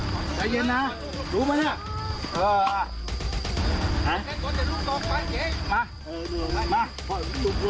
เพราะเอาทางเกิดเขาไม่มีใคร